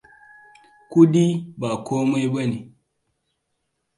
Kuɗi ba komai bane.